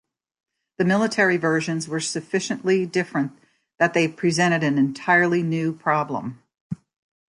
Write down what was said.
The military versions were sufficiently different that they presented an entirely new problem.